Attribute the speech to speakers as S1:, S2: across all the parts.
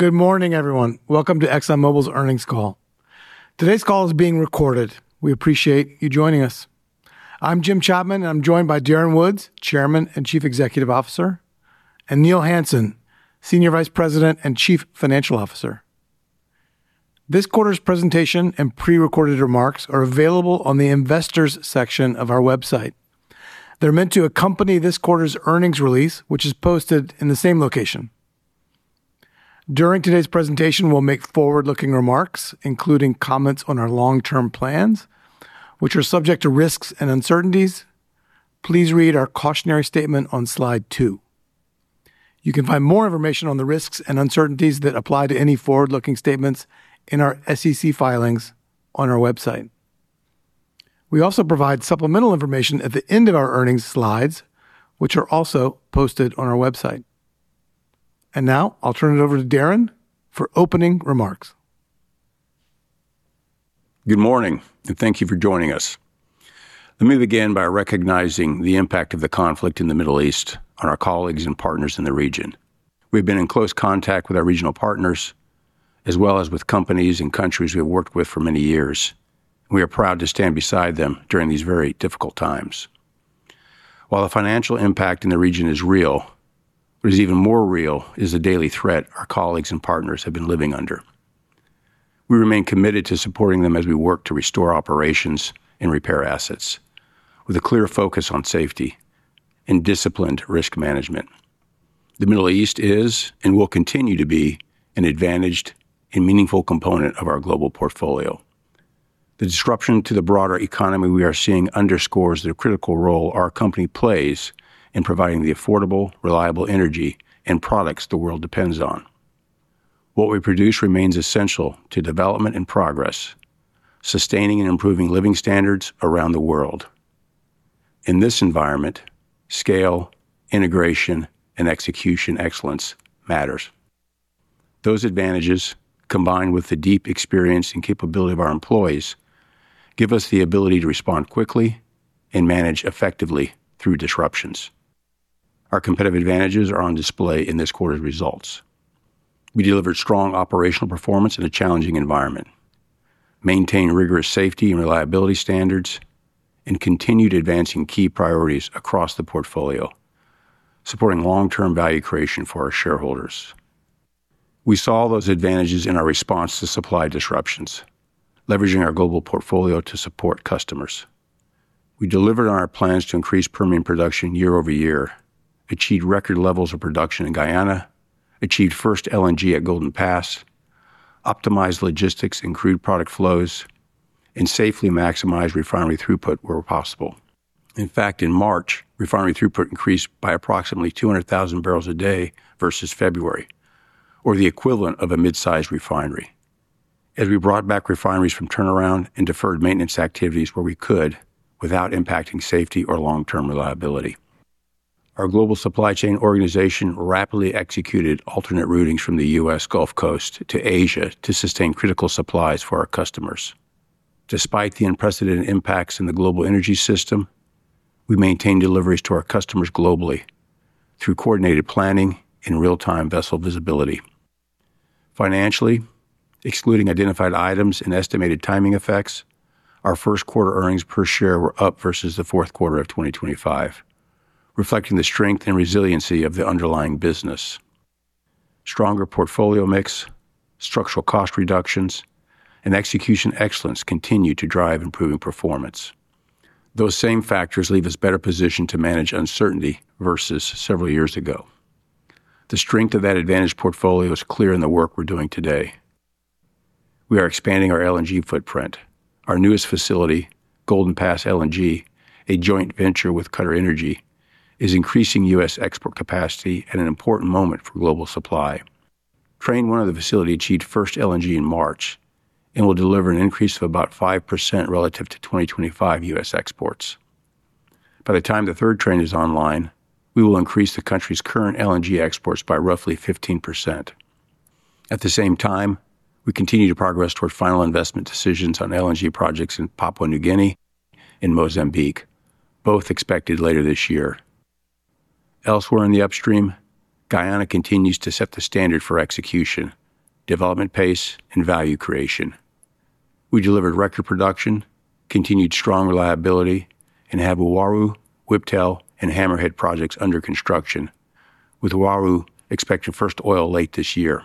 S1: Good morning, everyone. Welcome to ExxonMobil's earnings call. Today's call is being recorded. We appreciate you joining us. I'm Jim Chapman and I'm joined by Darren Woods, Chairman and Chief Executive Officer, and Neil Hansen, Senior Vice President and Chief Financial Officer. This quarter's presentation and prerecorded remarks are available on the investors section of our website. They're meant to accompany this quarter's earnings release, which is posted in the same location. During today's presentation, we'll make forward-looking remarks, including comments on our long-term plans, which are subject to risks and uncertainties. Please read our cautionary statement on slide two. You can find more information on the risks and uncertainties that apply to any forward-looking statements in our SEC filings on our website. We also provide supplemental information at the end of our earnings slides, which are also posted on our website. Now I'll turn it over to Darren for opening remarks.
S2: Good morning, and thank you for joining us. Let me begin by recognizing the impact of the conflict in the Middle East on our colleagues and partners in the region. We've been in close contact with our regional partners, as well as with companies and countries we have worked with for many years. We are proud to stand beside them during these very difficult times. While the financial impact in the region is real, what is even more real is the daily threat our colleagues and partners have been living under. We remain committed to supporting them as we work to restore operations and repair assets with a clear focus on safety and disciplined risk management. The Middle East is and will continue to be an advantaged and meaningful component of our global portfolio. The disruption to the broader economy we are seeing underscores the critical role our company plays in providing the affordable, reliable energy and products the world depends on. What we produce remains essential to development and progress, sustaining and improving living standards around the world. In this environment, scale, integration, and execution excellence matters. Those advantages, combined with the deep experience and capability of our employees, give us the ability to respond quickly and manage effectively through disruptions. Our competitive advantages are on display in this quarter's results. We delivered strong operational performance in a challenging environment, maintained rigorous safety and reliability standards, and continued advancing key priorities across the portfolio, supporting long-term value creation for our shareholders. We saw those advantages in our response to supply disruptions, leveraging our global portfolio to support customers. We delivered on our plans to increase Permian production year-over-year, achieved record levels of production in Guyana, achieved first LNG at Golden Pass, optimized logistics and crude product flows, and safely maximized refinery throughput where possible. In fact, in March, refinery throughput increased by approximately 200,000bbl a day versus February, or the equivalent of a mid-sized refinery. As we brought back refineries from turnaround and deferred maintenance activities where we could without impacting safety or long-term reliability. Our global supply chain organization rapidly executed alternate routings from the U.S. Gulf Coast to Asia to sustain critical supplies for our customers. Despite the unprecedented impacts in the global energy system, we maintained deliveries to our customers globally through coordinated planning and real-time vessel visibility. Financially, excluding identified items and estimated timing effects, our first quarter earnings per share were up versus the fourth quarter of 2025, reflecting the strength and resiliency of the underlying business. Stronger portfolio mix, structural cost reductions, and execution excellence continue to drive improving performance. Those same factors leave us better positioned to manage uncertainty versus several years ago. The strength of that advantage portfolio is clear in the work we're doing today. We are expanding our LNG footprint. Our newest facility, Golden Pass LNG, a joint venture with QatarEnergy, is increasing U.S. export capacity at an important moment for global supply. Train 1 of the facility achieved first LNG in March and will deliver an increase of about 5% relative to 2025 U.S. exports. By the time the third train is online, we will increase the country's current LNG exports by roughly 15%. At the same time, we continue to progress toward final investment decisions on LNG projects in Papua New Guinea and Mozambique, both expected later this year. Elsewhere in the upstream, Guyana continues to set the standard for execution, development pace, and value creation. We delivered record production, continued strong reliability, and have Uaru, Whiptail, and Hammerhead projects under construction, with Uaru expecting first oil late this year.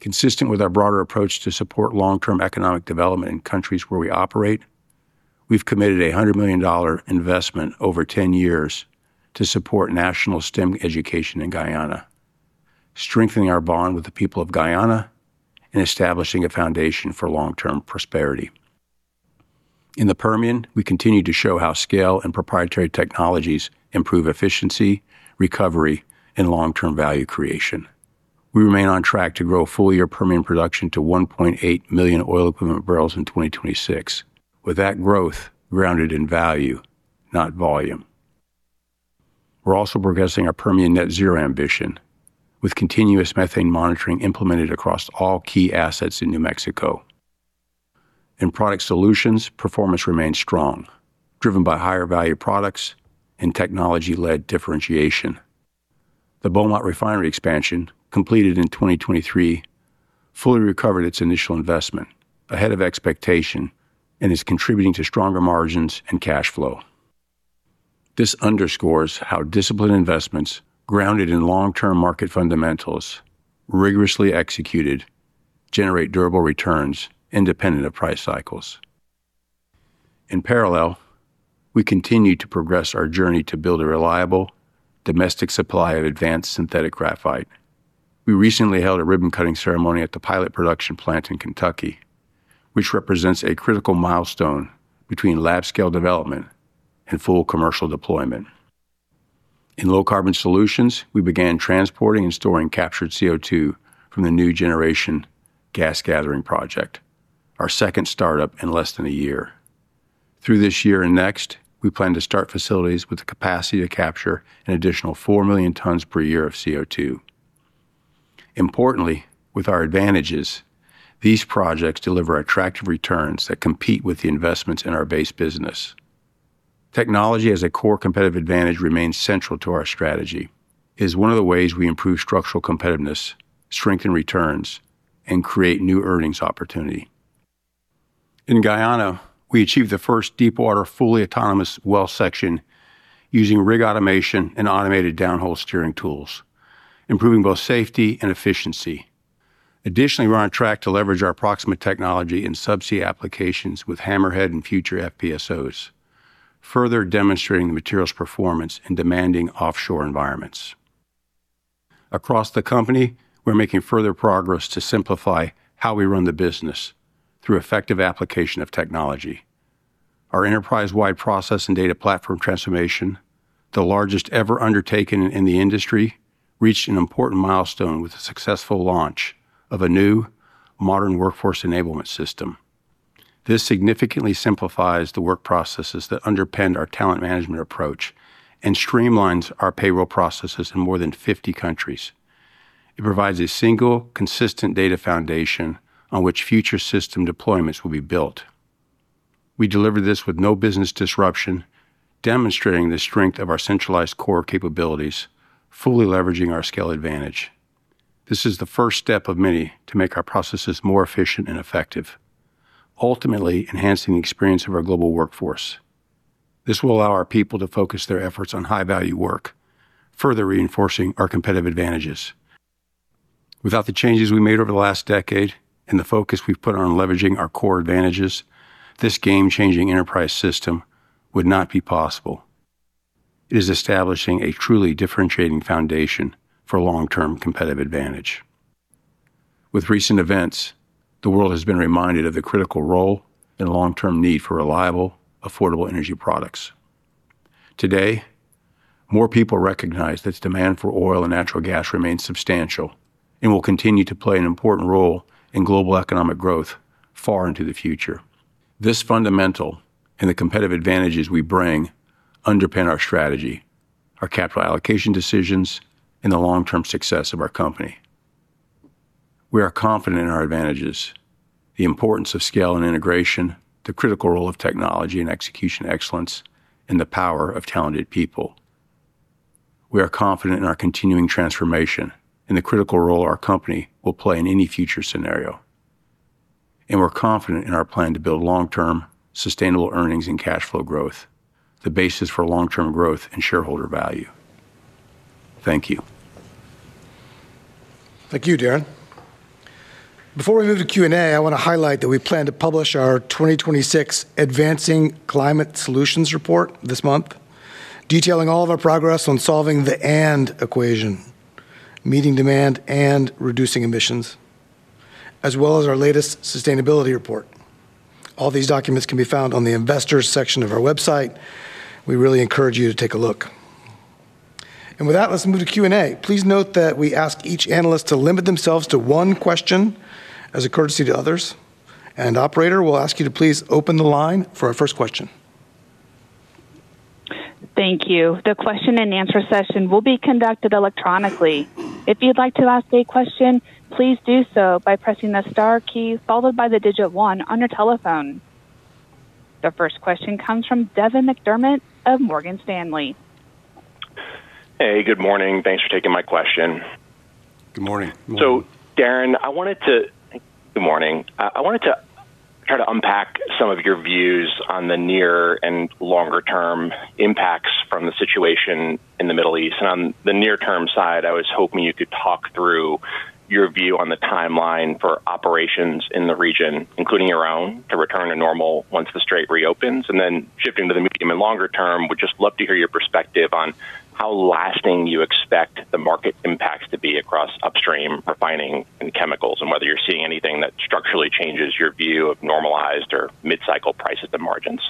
S2: Consistent with our broader approach to support long-term economic development in countries where we operate, we've committed a $100 million investment over 10 years to support national STEM education in Guyana, strengthening our bond with the people of Guyana and establishing a foundation for long-term prosperity. In the Permian, we continue to show how scale and proprietary technologies improve efficiency, recovery, and long-term value creation. We remain on track to grow full-year Permian production to 1.8 million oil equivalent barrels in 2026, with that growth grounded in value, not volume. We're also progressing our Permian net zero ambition with continuous methane monitoring implemented across all key assets in New Mexico. In product solutions, performance remains strong, driven by higher value products and technology-led differentiation. The Beaumont Refinery expansion, completed in 2023, fully recovered its initial investment ahead of expectation and is contributing to stronger margins and cash flow. This underscores how disciplined investments grounded in long-term market fundamentals rigorously executed generate durable returns independent of price cycles. In parallel, we continue to progress our journey to build a reliable domestic supply of advanced synthetic graphite. We recently held a ribbon-cutting ceremony at the pilot production plant in Kentucky, which represents a critical milestone between lab-scale development and full commercial deployment. In low-carbon solutions, we began transporting and storing captured CO2 from the New Generation Gas Gathering project, our second startup in less than a year. Through this year and next, we plan to start facilities with the capacity to capture an additional 4 million tons per year of CO2. Importantly, with our advantages, these projects deliver attractive returns that compete with the investments in our base business. Technology as a core competitive advantage remains central to our strategy, is one of the ways we improve structural competitiveness, strengthen returns, and create new earnings opportunity. In Guyana, we achieved the first deep water fully autonomous well section using rig automation and automated downhole steering tools, improving both safety and efficiency. Additionally, we're on track to leverage our Proxxima technology in subsea applications with Hammerhead and future FPSOs, further demonstrating the material's performance in demanding offshore environments. Across the company, we're making further progress to simplify how we run the business through effective application of technology. Our enterprise-wide process and data platform transformation, the largest ever undertaken in the industry, reached an important milestone with the successful launch of a new modern workforce enablement system. This significantly simplifies the work processes that underpin our talent management approach and streamlines our payroll processes in more than 50 countries. It provides a single, consistent data foundation on which future system deployments will be built. We deliver this with no business disruption, demonstrating the strength of our centralized core capabilities, fully leveraging our scale advantage. This is the first step of many to make our processes more efficient and effective, ultimately enhancing the experience of our global workforce. This will allow our people to focus their efforts on high-value work, further reinforcing our competitive advantages. Without the changes we made over the last decade and the focus we've put on leveraging our core advantages, this game-changing enterprise system would not be possible. It is establishing a truly differentiating foundation for long-term competitive advantage. With recent events, the world has been reminded of the critical role and long-term need for reliable, affordable Energy Products. Today, more people recognize that demand for oil and natural gas remains substantial and will continue to play an important role in global economic growth far into the future. This fundamental and the competitive advantages we bring underpin our strategy, our capital allocation decisions, and the long-term success of our company. We are confident in our advantages, the importance of scale and integration, the critical role of technology and execution excellence, and the power of talented people. We are confident in our continuing transformation and the critical role our company will play in any future scenario. We're confident in our plan to build long-term sustainable earnings and cash flow growth, the basis for long-term growth and shareholder value. Thank you.
S1: Thank you, Darren. Before we move to Q&A, I want to highlight that we plan to publish our 2026 Advancing Climate Solutions report this month, detailing all of our progress on solving the and equation, meeting demand and reducing emissions, as well as our latest sustainability report. All these documents can be found on the investors section of our website. We really encourage you to take a look. With that, let's move to Q&A. Please note that we ask each analyst to limit themselves to one question as a courtesy to others. Operator, we'll ask you to please open the line for our first question.
S3: Thank you. The question-and-answer session will be conducted electronically. If you'd like to ask a question, please do so by pressing the star key followed by the digit one on your telephone. The first question comes from Devin McDermott of Morgan Stanley.
S4: Hey, good morning. Thanks for taking my question.
S2: Good morning.
S4: Darren, good morning. I wanted to try to unpack some of your views on the near and longer-term impacts from the situation in the Middle East. On the near-term side, I was hoping you could talk through your view on the timeline for operations in the region, including your own, to return to normal once the strait reopens. Shifting to the medium and longer term, would just love to hear your perspective on how lasting you expect the market impacts to be across upstream refining and chemicals, and whether you're seeing anything that structurally changes your view of normalized or mid-cycle price at the margins.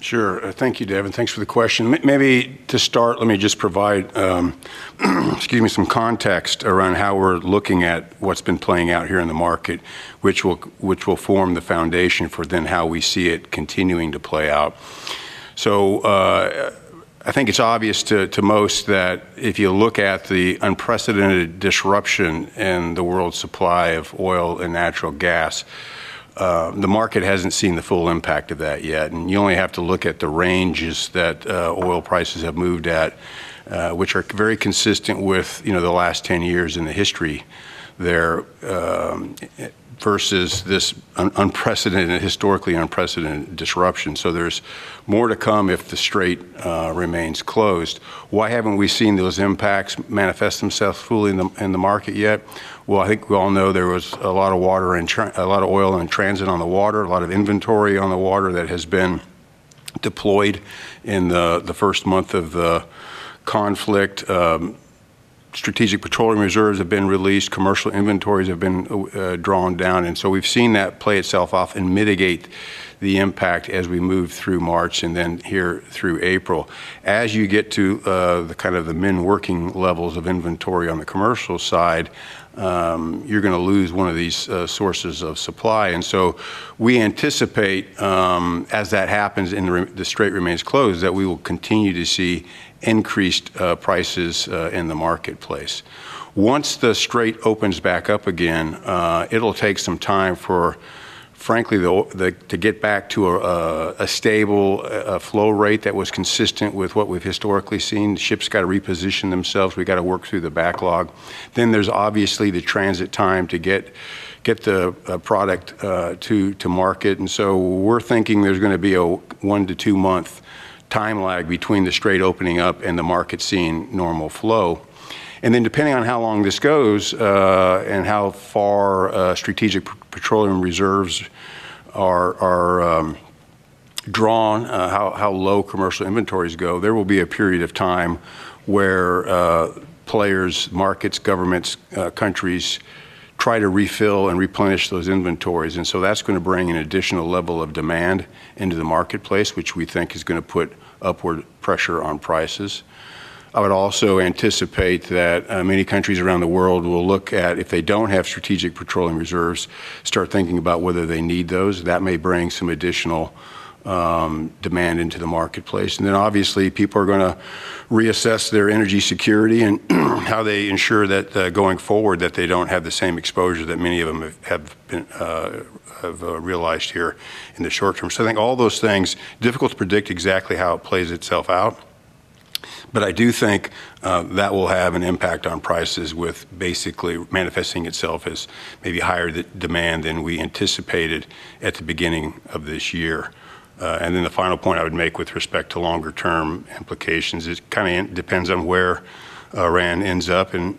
S2: Sure. Thank you, Devin. Thanks for the question. Maybe to start, let me just provide, excuse me, some context around how we're looking at what's been playing out here in the market, which will form the foundation for then how we see it continuing to play out. I think it's obvious to most that if you look at the unprecedented disruption in the world's supply of oil and natural gas, the market hasn't seen the full impact of that yet. You only have to look at the ranges that oil prices have moved at, which are very consistent with, you know, the last 10 years in the history there, versus this historically unprecedented disruption. There's more to come if the strait remains closed. Why haven't we seen those impacts manifest themselves fully in the market yet? I think we all know there was a lot of oil in transit on the water, a lot of inventory on the water that has been deployed in the first month of the conflict. Strategic petroleum reserves have been released. Commercial inventories have been drawn down. We've seen that play itself off and mitigate the impact as we move through March and then here through April. You get to the kind of the min working levels of inventory on the commercial side, you're gonna lose one of these sources of supply. We anticipate, as that happens and the strait remains closed, that we will continue to see increased prices in the marketplace. The strait opens back up again, it'll take some time for frankly to get back to a stable flow rate that was consistent with what we've historically seen. The ships gotta reposition themselves. We gotta work through the backlog. Then there's obviously the transit time to get the product to market. We're thinking there's gonna be a 1-2-month time lag between the strait opening up and the market seeing normal flow. Depending on how long this goes, and how far strategic petroleum reserves are drawn, how low commercial inventories go, there will be a period of time where players, markets, governments, countries try to refill and replenish those inventories. That's gonna bring an additional level of demand into the marketplace, which we think is gonna put upward pressure on prices. I would also anticipate that many countries around the world will look at, if they don't have strategic petroleum reserves, start thinking about whether they need those. That may bring some additional demand into the marketplace. Obviously, people are gonna reassess their energy security and how they ensure that going forward that they don't have the same exposure that many of them have been realized here in the short term. I think all those things, difficult to predict exactly how it plays itself out, but I do think that will have an impact on prices with basically manifesting itself as maybe higher de-demand than we anticipated at the beginning of this year. The final point I would make with respect to longer term implications is kinda depends on where Iran ends up and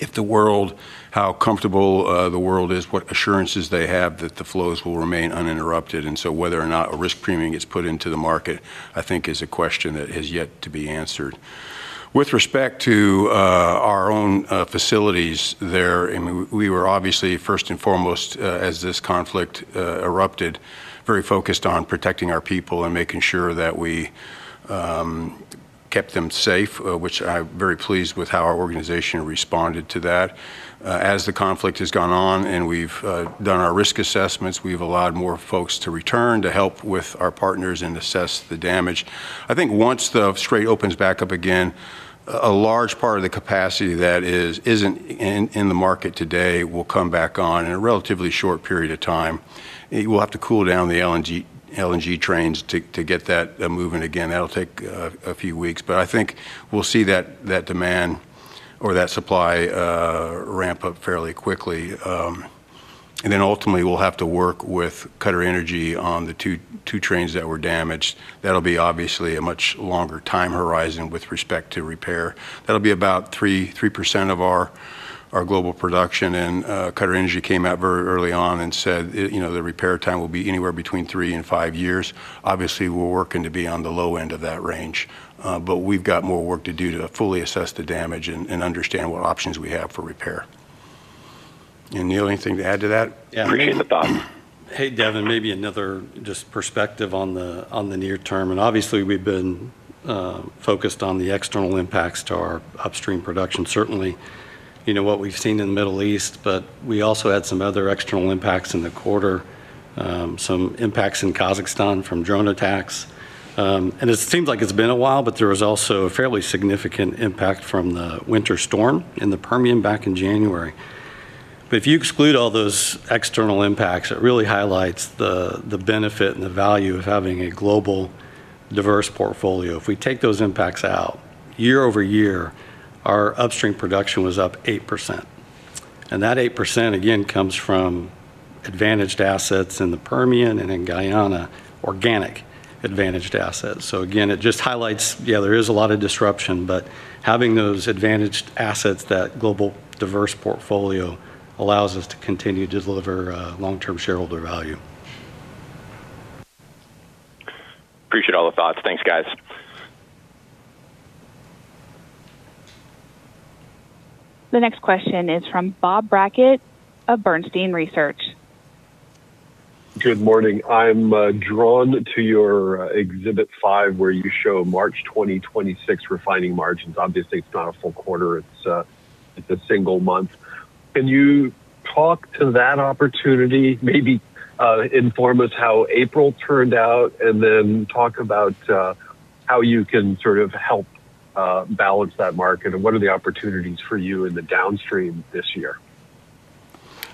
S2: if the world, how comfortable the world is, what assurances they have that the flows will remain uninterrupted. Whether or not a risk premium gets put into the market, I think is a question that has yet to be answered. With respect to our own facilities there, I mean, we were obviously first and foremost, as this conflict erupted, very focused on protecting our people and making sure that we kept them safe, which I'm very pleased with how our organization responded to that. As the conflict has gone on and we've done our risk assessments, we've allowed more folks to return to help with our partners and assess the damage. I think once the strait opens back up again, a large part of the capacity that isn't in the market today will come back on in a relatively short period of time. We'll have to cool down the LNG trains to get that moving again. That'll take a few weeks. I think we'll see that demand or that supply ramp up fairly quickly. Ultimately we'll have to work with QatarEnergy on the two trains that were damaged. That'll be obviously a much longer time horizon with respect to repair. That'll be about 3% of our global production. QatarEnergy came out very early on and said, you know, the repair time will be anywhere between 3 and 5 years. Obviously, we're working to be on the low end of that range. We've got more work to do to fully assess the damage and understand what options we have for repair. Neil, anything to add to that?
S5: Yeah.
S4: Appreciate the thought.
S5: Hey, Devin. Maybe another just perspective on the near term. Obviously we've been focused on the external impacts to our upstream production, certainly, you know, what we've seen in the Middle East, but we also had some other external impacts in the quarter. Some impacts in Kazakhstan from drone attacks. It seems like it's been a while, but there was also a fairly significant impact from the winter storm in the Permian back in January. If you exclude all those external impacts, it really highlights the benefit and the value of having a global diverse portfolio. If we take those impacts out, year-over-year, our upstream production was up 8%. That 8% again comes from advantaged assets in the Permian and in Guyana, organic advantaged assets. Again, it just highlights, yeah, there is a lot of disruption, but having those advantaged assets, that global diverse portfolio allows us to continue to deliver long-term shareholder value.
S4: Appreciate all the thoughts. Thanks, guys.
S3: The next question is from Bob Brackett of Bernstein Research.
S6: Good morning. I'm drawn to your exhibit 5 where you show March 2026 refining margins. Obviously, it's not a full quarter, it's a single month. Can you talk to that opportunity? Maybe inform us how April turned out, and then talk about how you can sort of help balance that market, and what are the opportunities for you in the downstream this year?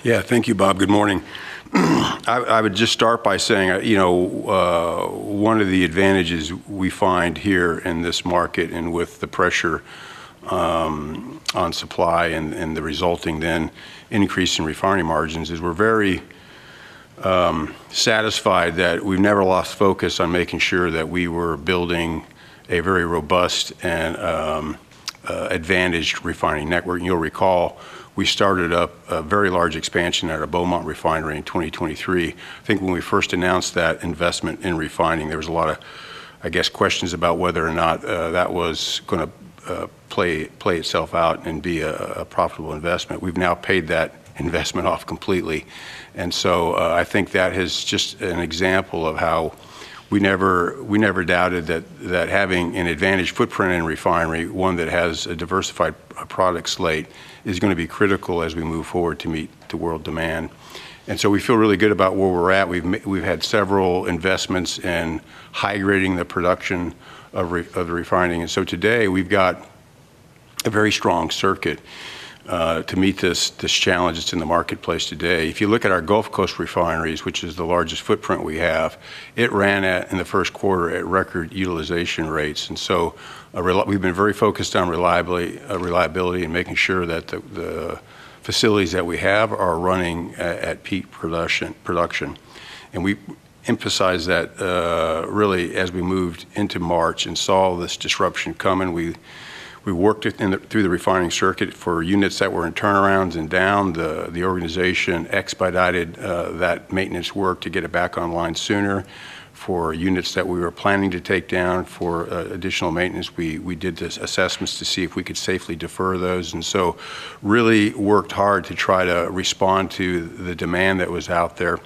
S2: Yeah. Thank you, Bob. Good morning. I would just start by saying, you know, one of the advantages we find here in this market and with the pressure on supply and the resulting then increase in refining margins is we're very satisfied that we've never lost focus on making sure that we were building a very robust and advantaged refining network. You'll recall, we started up a very large expansion at our Beaumont refinery in 2023. I think when we first announced that investment in refining, there was a lot of, I guess, questions about whether or not that was gonna play itself out and be a profitable investment. We've now paid that investment off completely. I think that is just an example of how we never doubted that having an advantaged footprint in a refinery, one that has a diversified product slate, is gonna be critical as we move forward to meet the world demand. We feel really good about where we're at. We've had several investments in high grading the production of the refining. Today we've got a very strong circuit to meet this challenge that's in the marketplace today. If you look at our Gulf Coast refineries, which is the largest footprint we have, it ran at, in the first quarter, at record utilization rates. We've been very focused on reliably, reliability and making sure that the facilities that we have are running at peak production. We emphasized that, really as we moved into March and saw this disruption coming. We worked it through the refining circuit for units that were in turnarounds and down. The organization expedited that maintenance work to get it back online sooner. For units that we were planning to take down for additional maintenance, we did the assessments to see if we could safely defer those. Really worked hard to try to respond to the demand that was out there.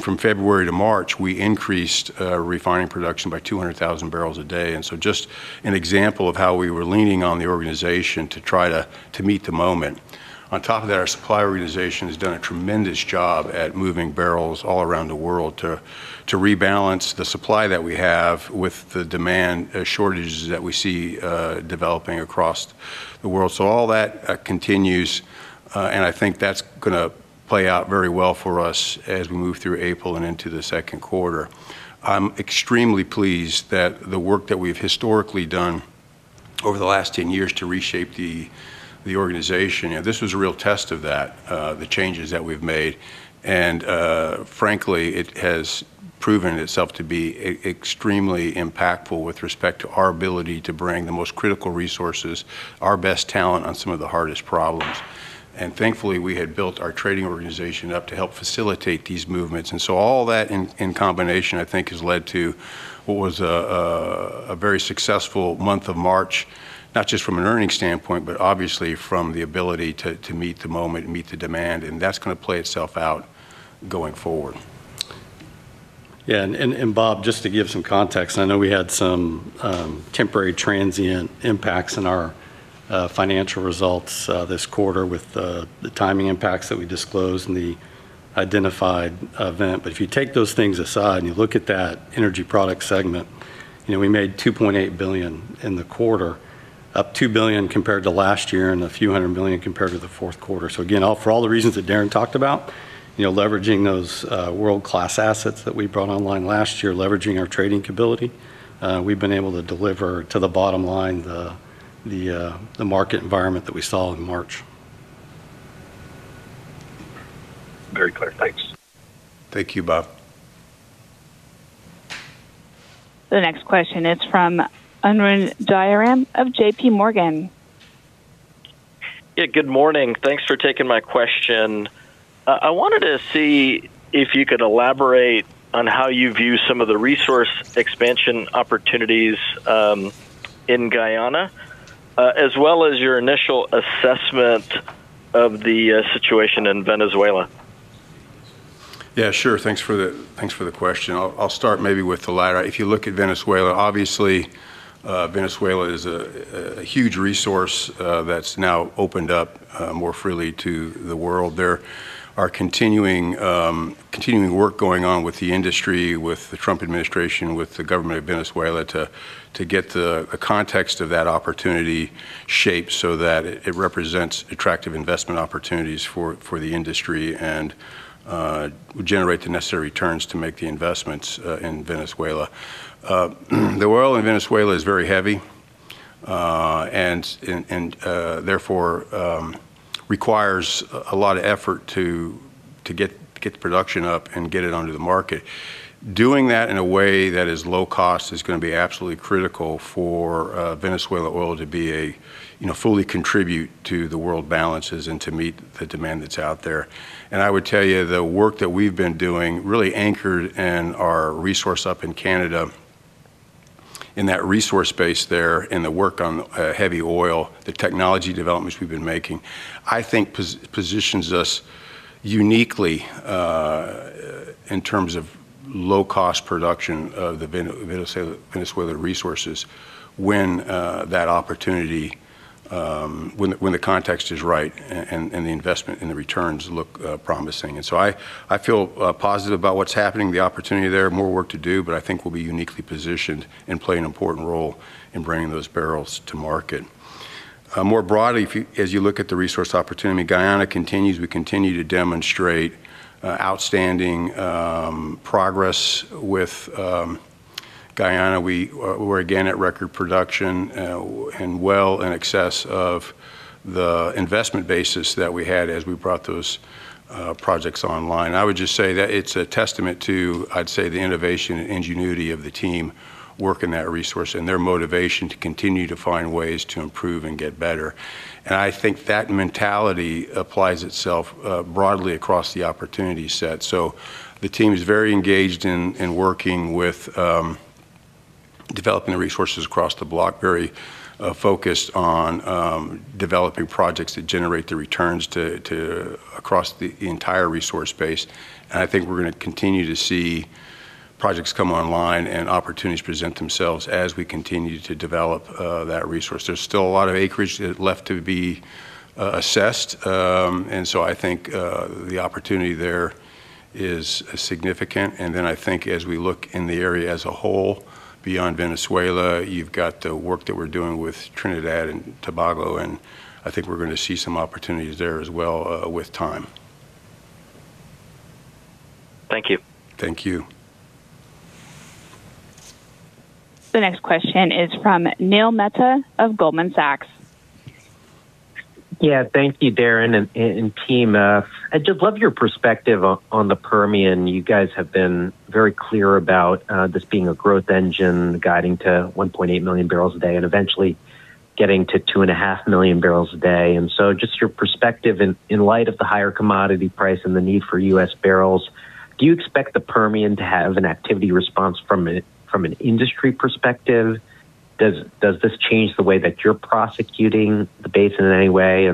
S2: From February to March, we increased refining production by 200,000bbl a day. Just an example of how we were leaning on the organization to try to meet the moment. On top of that, our supply organization has done a tremendous job at moving barrels all around the world to rebalance the supply that we have with the demand shortages that we see developing across the world. All that continues, and I think that's gonna play out very well for us as we move through April and into the second quarter. I'm extremely pleased that the work that we've historically done over the last 10 years to reshape the organization, you know, this was a real test of that, the changes that we've made. Frankly, it has proven itself to be extremely impactful with respect to our ability to bring the most critical resources, our best talent on some of the hardest problems. Thankfully, we had built our trading organization up to help facilitate these movements. All that in combination, I think has led to what was a very successful month of March, not just from an earnings standpoint, but obviously from the ability to meet the moment and meet the demand, and that's gonna play itself out going forward.
S5: Yeah. Bob, just to give some context, I know we had some temporary transient impacts in our financial results this quarter with the timing impacts that we disclosed and the identified event. If you take those things aside and you look at that Energy Products segment, you know, we made $2.8 billion in the quarter, up $2 billion compared to last year and a few hundred million compared to the fourth quarter. Again, for all the reasons that Darren talked about, you know, leveraging those world-class assets that we brought online last year, leveraging our trading capability, we've been able to deliver to the bottom line the market environment that we saw in March.
S6: Very clear. Thanks.
S2: Thank you, Bob.
S3: The next question is from Arun Jayaram of JPMorgan.
S7: Yeah, good morning. Thanks for taking my question. I wanted to see if you could elaborate on how you view some of the resource expansion opportunities in Guyana, as well as your initial assessment of the situation in Venezuela.
S2: Yeah, sure. Thanks for the question. I'll start maybe with the latter. If you look at Venezuela, obviously, Venezuela is a huge resource that's now opened up more freely to the world. There are continuing work going on with the industry, with the Trump administration, with the government of Venezuela to get the context of that opportunity shaped so that it represents attractive investment opportunities for the industry and would generate the necessary returns to make the investments in Venezuela. The oil in Venezuela is very heavy and therefore requires a lot of effort to get the production up and get it onto the market. Doing that in a way that is low cost is gonna be absolutely critical for Venezuela oil to be a, you know, fully contribute to the world balances and to meet the demand that's out there. I would tell you, the work that we've been doing really anchored in our resource up in Canada, in that resource base there, in the work on heavy oil, the technology developments we've been making, I think positions us uniquely in terms of low-cost production of the Venezuela resources when that opportunity, when the context is right and the investment and the returns look promising. I feel positive about what's happening, the opportunity there. More work to do, but I think we'll be uniquely positioned and play an important role in bringing those barrels to market. More broadly, as you look at the resource opportunity, Guyana continues. We continue to demonstrate outstanding progress with Guyana. We're again at record production and well in excess of the investment basis that we had as we brought those projects online. I would just say that it's a testament to, I'd say, the innovation and ingenuity of the team working that resource and their motivation to continue to find ways to improve and get better. I think that mentality applies itself broadly across the opportunity set. The team is very engaged in working with developing the resources across the block, very focused on developing projects that generate the returns to across the entire resource base. I think we're gonna continue to see projects come online and opportunities present themselves as we continue to develop that resource. There's still a lot of acreage left to be assessed. I think the opportunity there is significant. I think as we look in the area as a whole beyond Venezuela, you've got the work that we're doing with Trinidad and Tobago, and I think we're gonna see some opportunities there as well with time.
S7: Thank you.
S2: Thank you.
S3: The next question is from Neil Mehta of Goldman Sachs.
S8: Yeah. Thank you, Darren and team. I'd just love your perspective on the Permian. You guys have been very clear about this being a growth engine guiding to 1.8 million barrels a day and eventually getting to 2.5 million barrels a day. Just your perspective in light of the higher commodity price and the need for U.S. barrels, do you expect the Permian to have an activity response from an industry perspective? Does this change the way that you're prosecuting the basin in any way?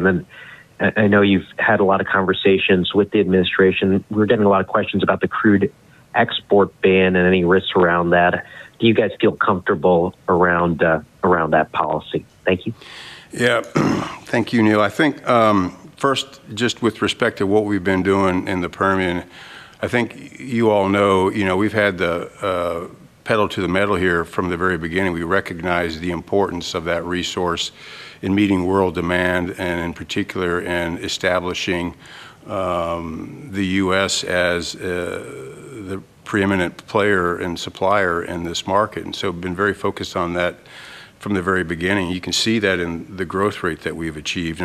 S8: I know you've had a lot of conversations with the administration. We're getting a lot of questions about the crude export ban and any risks around that. Do you guys feel comfortable around that policy? Thank you.
S2: Thank you, Neil. I think, first, just with respect to what we've been doing in the Permian, I think you all know, you know, we've had the pedal to the metal here from the very beginning. We recognize the importance of that resource in meeting world demand and in particular in establishing the U.S. as the preeminent player and supplier in this market. We've been very focused on that from the very beginning. You can see that in the growth rate that we've achieved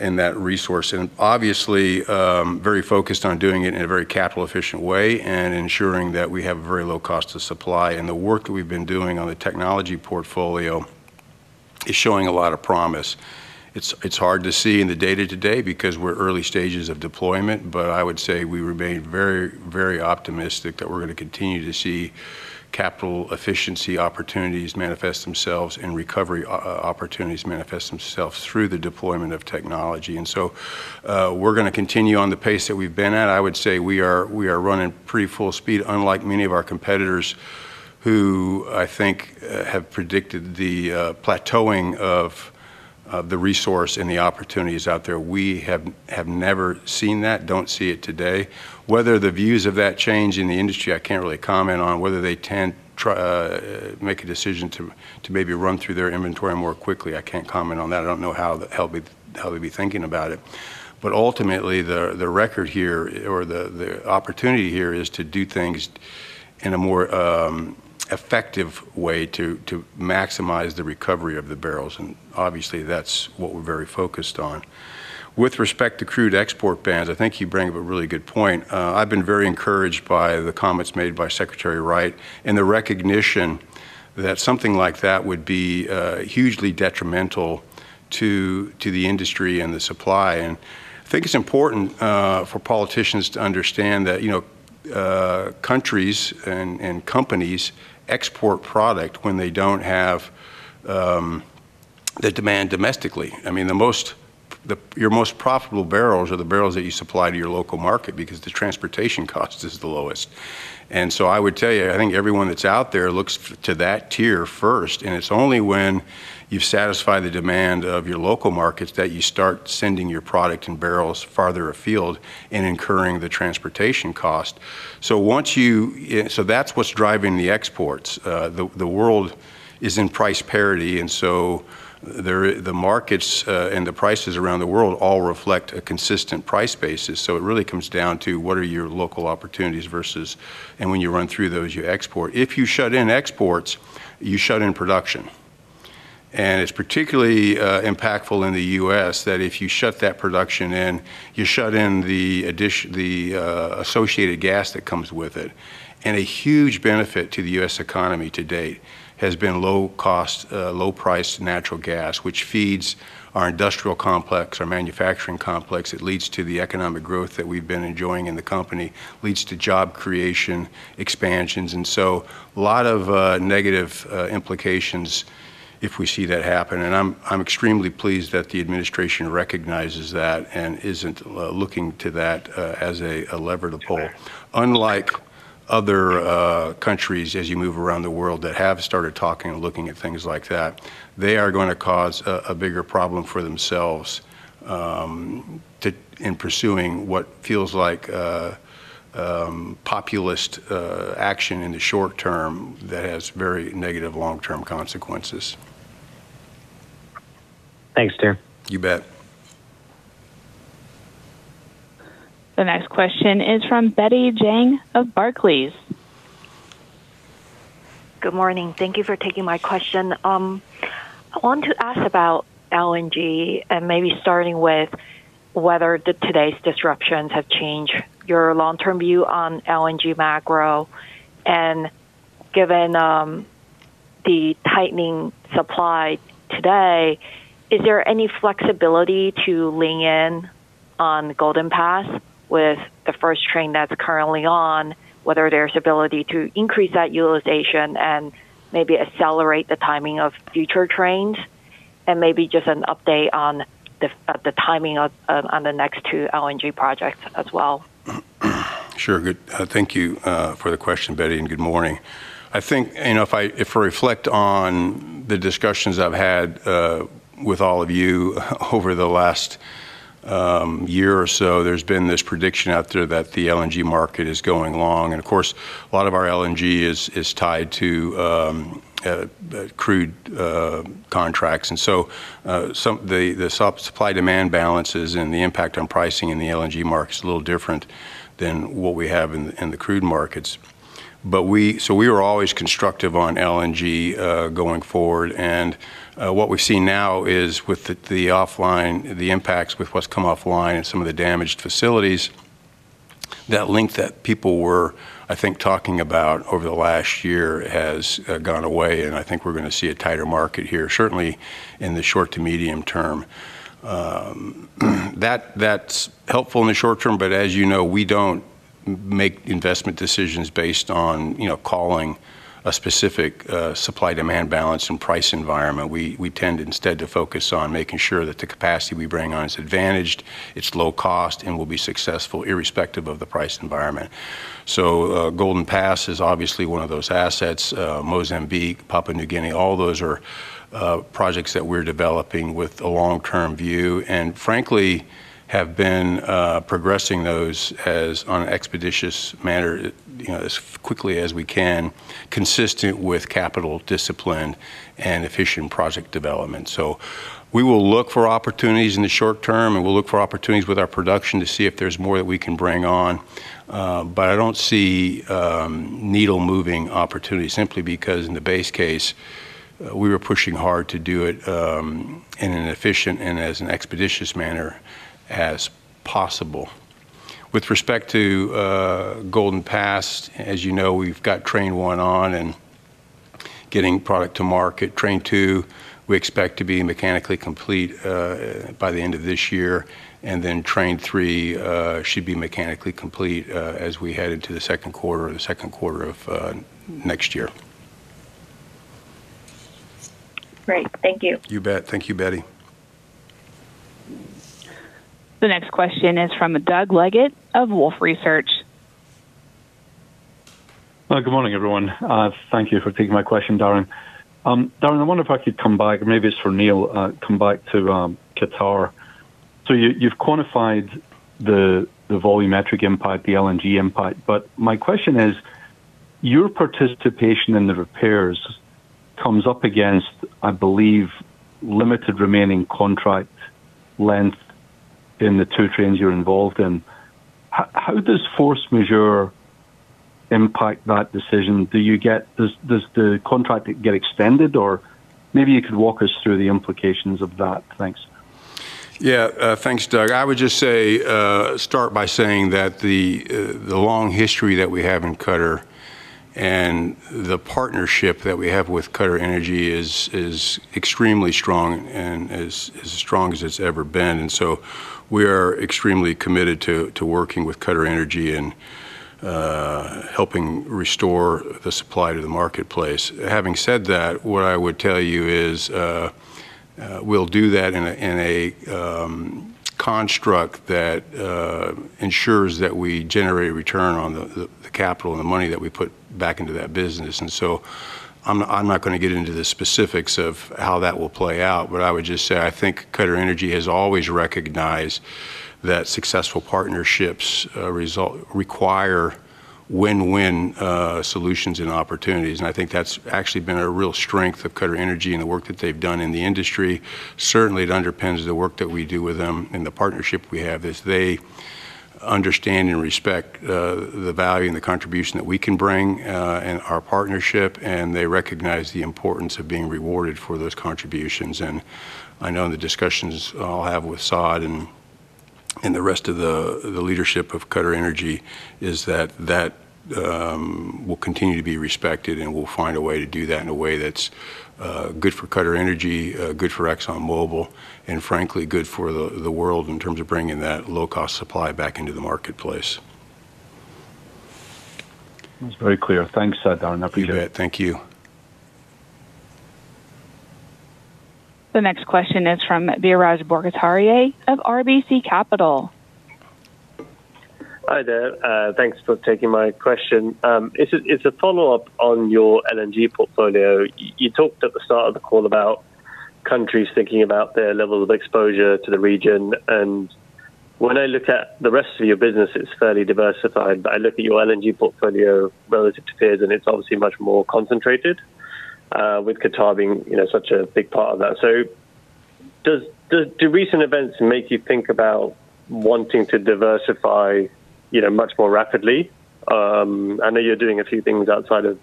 S2: in that resource. Obviously, very focused on doing it in a very capital efficient way and ensuring that we have a very low cost of supply. The work that we've been doing on the technology portfolio is showing a lot of promise. It's hard to see in the data today because we're early stages of deployment, but I would say we remain very, very optimistic that we're gonna continue to see capital efficiency opportunities manifest themselves and recovery opportunities manifest themselves through the deployment of technology. We're gonna continue on the pace that we've been at. I would say we are running pretty full speed, unlike many of our competitors who I think have predicted the plateauing of the resource and the opportunities out there. We have never seen that, don't see it today. Whether the views of that change in the industry, I can't really comment on. Whether they make a decision to maybe run through their inventory more quickly, I can't comment on that. I don't know how they'd be thinking about it. Ultimately, the record here or the opportunity here is to do things in a more effective way to maximize the recovery of the barrels. Obviously, that's what we're very focused on. With respect to crude export bans, I think you bring up a really good point. I've been very encouraged by the comments made by Secretary Wright and the recognition that something like that would be hugely detrimental to the industry and the supply. I think it's important for politicians to understand that, you know, countries and companies export product when they don't have the demand domestically. I mean, your most profitable barrels are the barrels that you supply to your local market because the transportation cost is the lowest. I would tell you, I think everyone that's out there looks to that tier first. It's only when you've satisfied the demand of your local markets that you start sending your product and barrels farther afield and incurring the transportation cost. That's what's driving the exports. The world is in price parity, the markets and the prices around the world all reflect a consistent price basis. It really comes down to what are your local opportunities, and when you run through those, you export. If you shut in exports, you shut in production. It's particularly impactful in the U.S. that if you shut that production in, you shut in the associated gas that comes with it. A huge benefit to the U.S. economy to date has been low cost, low priced natural gas, which feeds our industrial complex, our manufacturing complex. It leads to the economic growth that we've been enjoying in the company, leads to job creation, expansions. A lot of negative implications if we see that happen. I'm extremely pleased that the administration recognizes that and isn't looking to that as a lever to pull, unlike other countries as you move around the world that have started talking and looking at things like that. They are gonna cause a bigger problem for themselves to, in pursuing what feels like a populist action in the short term that has very negative long-term consequences.
S8: Thanks, Darren.
S2: You bet.
S3: The next question is from Betty Jiang of Barclays.
S9: Good morning. Thank you for taking my question. I want to ask about LNG and maybe starting with whether the today's disruptions have changed your long-term view on LNG macro. Given, the tightening supply today, is there any flexibility to lean in on Golden Pass with the first train that's currently on, whether there's ability to increase that utilization and maybe accelerate the timing of future trains? Maybe just an update on the timing of the next two LNG projects as well.
S2: Sure. Good. Thank you for the question, Betty, and good morning. I think, if I, if I reflect on the discussions I've had with all of you over the last year or so, there's been this prediction out there that the LNG market is going long. Of course, a lot of our LNG is tied to crude contracts. The supply demand balances and the impact on pricing in the LNG market is a little different than what we have in the crude markets. We were always constructive on LNG going forward. What we've seen now is with the offline, the impacts with what's come offline and some of the damaged facilities, that link that people were, I think, talking about over the last year has gone away, and I think we're going to see a tighter market here, certainly in the short to medium term. That, that's helpful in the short term, but as you know, we don't make investment decisions based on, you know, calling a specific supply demand balance and price environment. We tend instead to focus on making sure that the capacity we bring on is advantaged, it's low cost, and will be successful irrespective of the price environment. Golden Pass is obviously one of those assets. Mozambique, Papua New Guinea, all those are projects that we're developing with a long-term view, and frankly, have been progressing those as on an expeditious manner, you know, as quickly as we can, consistent with capital discipline and efficient project development. We will look for opportunities in the short term, and we'll look for opportunities with our production to see if there's more that we can bring on. I don't see needle moving opportunities simply because in the base case, we were pushing hard to do it in an efficient and as an expeditious manner as possible. With respect to Golden Pass, as you know, we've got Train 1 on and getting product to market. Train 2, we expect to be mechanically complete by the end of this year. Train 3 should be mechanically complete as we head into the second quarter of next year.
S9: Great. Thank you.
S2: You bet. Thank you, Betty.
S3: The next question is from Doug Leggate of Wolfe Research.
S10: Good morning, everyone. Thank you for taking my question, Darren. Darren, I wonder if I could come back, or maybe it's for Neil, come back to Qatar. You've quantified the volumetric impact, the LNG impact. My question is, your participation in the repairs comes up against, I believe, limited remaining contract length in the two trains you're involved in. How does force majeure impact that decision? Does the contract get extended? Maybe you could walk us through the implications of that. Thanks.
S2: Yeah. thanks, Doug. I would just say, start by saying that the long history that we have in Qatar and the partnership that we have with QatarEnergy is extremely strong and is as strong as it's ever been. We are extremely committed to working with QatarEnergy and helping restore the supply to the marketplace. Having said that, what I would tell you is, we'll do that in a construct that ensures that we generate return on the capital and the money that we put back into that business. I'm not gonna get into the specifics of how that will play out. I would just say, I think QatarEnergy has always recognized that successful partnerships require win-win solutions and opportunities. I think that's actually been a real strength of QatarEnergy and the work that they've done in the industry. Certainly, it underpins the work that we do with them and the partnership we have is they understand and respect the value and the contribution that we can bring in our partnership, and they recognize the importance of being rewarded for those contributions. I know in the discussions I'll have with Saad and the rest of the leadership of QatarEnergy is that that will continue to be respected, and we'll find a way to do that in a way that's good for QatarEnergy, good for ExxonMobil, and frankly, good for the world in terms of bringing that low-cost supply back into the marketplace.
S10: That's very clear. Thanks, Darren. Appreciate it.
S2: You bet. Thank you.
S3: The next question is from Biraj Borkhataria of RBC Capital.
S11: Hi there. Thanks for taking my question. It's a follow-up on your LNG portfolio. You talked at the start of the call about countries thinking about their level of exposure to the region. When I look at the rest of your business, it's fairly diversified. I look at your LNG portfolio relative to peers, and it's obviously much more concentrated, with Qatar being, you know, such a big part of that. Do recent events make you think about wanting to diversify, you know, much more rapidly? I know you're doing a few things outside of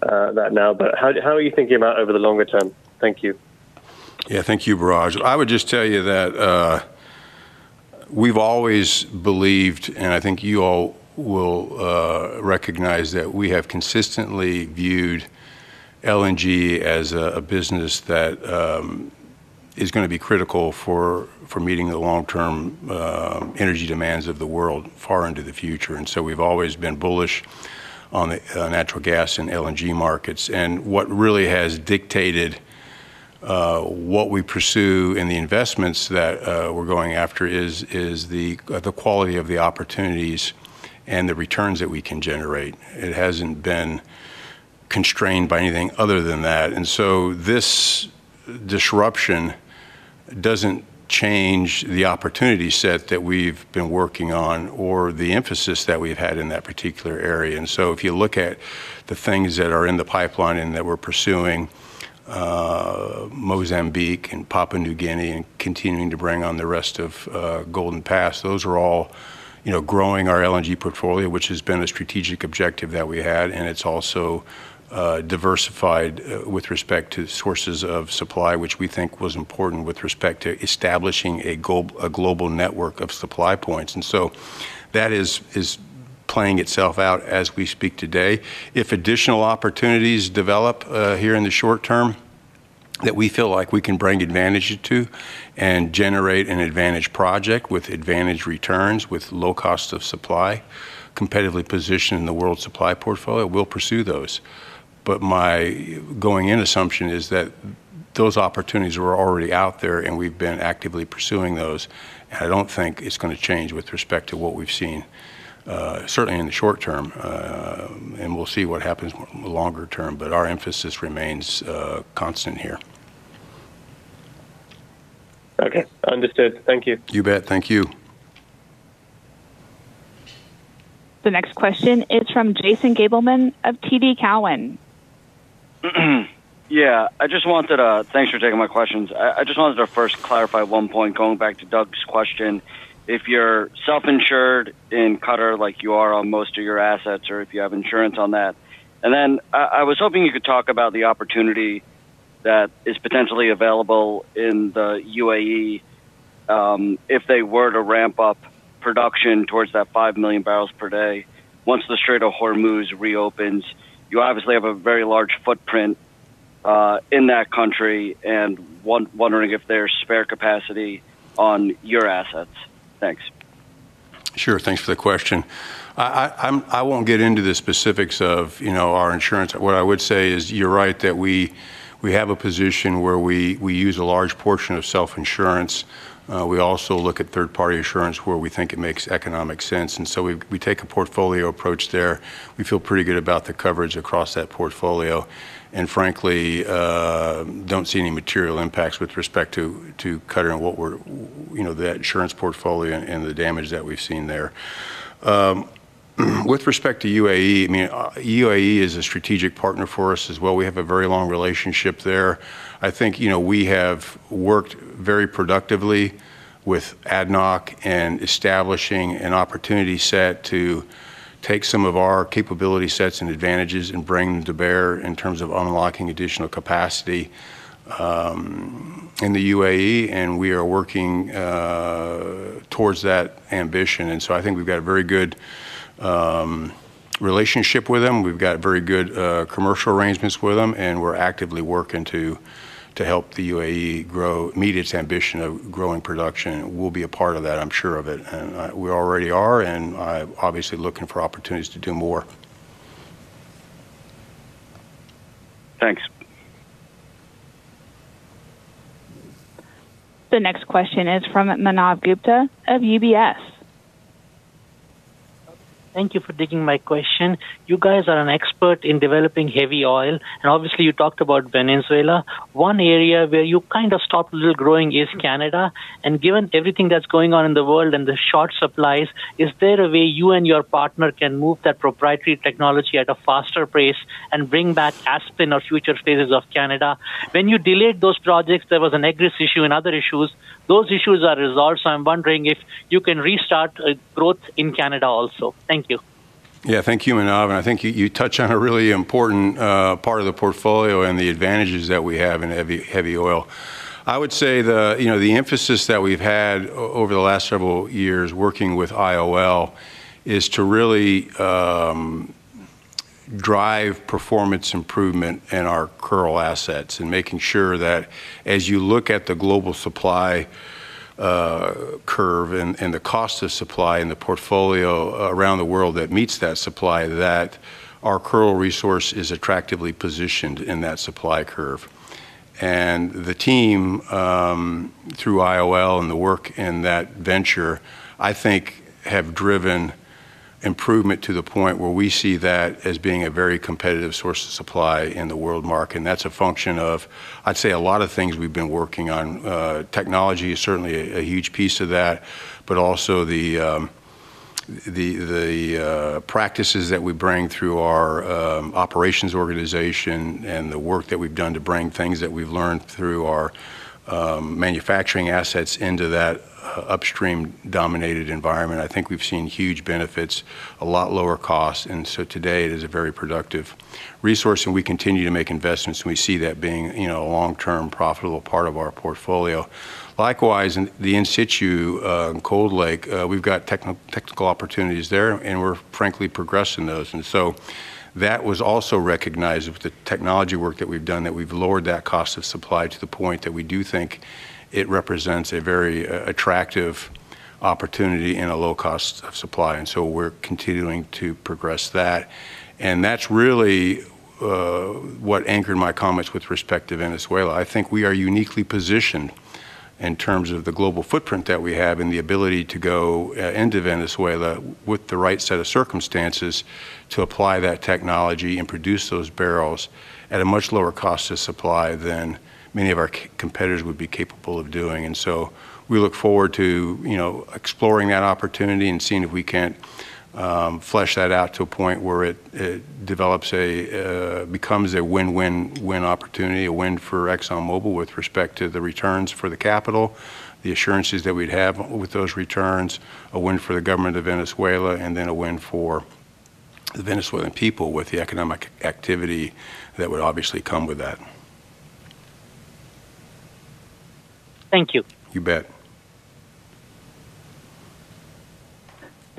S11: that now, but how are you thinking about over the longer term? Thank you.
S2: Thank you, Biraj. I would just tell you that we've always believed, and I think you all will recognize that we have consistently viewed LNG as a business that is gonna be critical for meeting the long-term energy demands of the world far into the future. We've always been bullish on the natural gas and LNG markets. What really has dictated what we pursue in the investments that we're going after is the quality of the opportunities and the returns that we can generate. It hasn't been constrained by anything other than that. This disruption doesn't change the opportunity set that we've been working on or the emphasis that we've had in that particular area. If you look at the things that are in the pipeline and that we're pursuing, Mozambique and Papua New Guinea and continuing to bring on the rest of Golden Pass, those are all, you know, growing our LNG portfolio, which has been a strategic objective that we had, and it's also diversified with respect to sources of supply, which we think was important with respect to establishing a global network of supply points. That is playing itself out as we speak today. If additional opportunities develop here in the short term that we feel like we can bring advantage to and generate an advantage project with advantage returns, with low cost of supply, competitively positioned in the world supply portfolio, we'll pursue those. My going in assumption is that those opportunities were already out there, and we've been actively pursuing those. I don't think it's gonna change with respect to what we've seen, certainly in the short term. We'll see what happens in the longer term, but our emphasis remains constant here.
S11: Okay. Understood. Thank you.
S2: You bet. Thank you.
S3: The next question is from Jason Gabelman of TD Cowen.
S12: Yeah. I just wanted. Thanks for taking my questions. I just wanted to first clarify one point going back to Doug's question. If you're self-insured in Qatar like you are on most of your assets or if you have insurance on that. I was hoping you could talk about the opportunity that is potentially available in the UAE if they were to ramp up production towards that 5 million barrels per day once the Strait of Hormuz reopens. You obviously have a very large footprint in that country and wondering if there's spare capacity on your assets. Thanks.
S2: Sure. Thanks for the question. I won't get into the specifics of, you know, our insurance. What I would say is you're right that we have a position where we use a large portion of self-insurance. We also look at third-party insurance where we think it makes economic sense. We take a portfolio approach there. We feel pretty good about the coverage across that portfolio, and frankly, don't see any material impacts with respect to Qatar and what we're, you know, the insurance portfolio and the damage that we've seen there. With respect to UAE, I mean, UAE is a strategic partner for us as well. We have a very long relationship there. I think, you know, we have worked very productively with ADNOC in establishing an opportunity set to take some of our capability sets and advantages and bring them to bear in terms of unlocking additional capacity in the UAE, we are working towards that ambition. I think we've got a very good relationship with them. We've got very good commercial arrangements with them, and we're actively working to help the UAE meet its ambition of growing production. We'll be a part of that, I'm sure of it. We already are, and I'm obviously looking for opportunities to do more.
S12: Thanks.
S3: The next question is from Manav Gupta of UBS.
S13: Thank you for taking my question. You guys are an expert in developing heavy oil, obviously you talked about Venezuela. One area where you kind of stopped a little growing is Canada. Given everything that's going on in the world and the short supplies, is there a way you and your partner can move that proprietary technology at a faster pace and bring back Aspen or future phases of Canada? When you delayed those projects, there was an egress issue and other issues. Those issues are resolved, I'm wondering if you can restart growth in Canada also. Thank you.
S2: Thank you, Manav. I think you touch on a really important part of the portfolio and the advantages that we have in heavy oil. I would say the, you know, the emphasis that we've had over the last several years working with IOL is to really drive performance improvement in our Kearl assets and making sure that as you look at the global supply curve and the cost of supply and the portfolio around the world that meets that supply, that our Kearl resource is attractively positioned in that supply curve. The team, through IOL and the work in that venture, I think have driven improvement to the point where we see that as being a very competitive source of supply in the world market. That's a function of, I'd say, a lot of things we've been working on. Technology is certainly a huge piece of that, but also the practices that we bring through our operations organization and the work that we've done to bring things that we've learned through our manufacturing assets into that upstream-dominated environment. I think we've seen huge benefits, a lot lower cost. Today it is a very productive resource, and we continue to make investments, and we see that being, you know, a long-term profitable part of our portfolio. Likewise, in the in-situ Cold Lake, we've got technical opportunities there, and we're frankly progressing those. That was also recognized with the technology work that we've done, that we've lowered that cost of supply to the point that we do think it represents a very attractive opportunity and a low cost of supply. We're continuing to progress that. That's really what anchored my comments with respect to Venezuela. I think we are uniquely positioned in terms of the global footprint that we have and the ability to go into Venezuela with the right set of circumstances to apply that technology and produce those barrels at a much lower cost of supply than many of our competitors would be capable of doing. We look forward to, you know, exploring that opportunity and seeing if we can't flesh that out to a point where it develops a, becomes a win-win-win opportunity, a win for ExxonMobil with respect to the returns for the capital, the assurances that we'd have with those returns, a win for the government of Venezuela, and then a win for the Venezuelan people with the economic activity that would obviously come with that.
S13: Thank you.
S2: You bet.